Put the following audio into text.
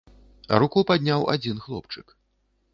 Руку падняў адзін хлопчык.